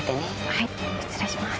はい失礼します。